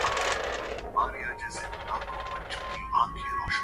جو بھی حقائق ہوں۔